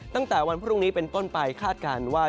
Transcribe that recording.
ตั้งแต่วันพรุ่งนี้เป็นต้นไปคาดการณ์ว่า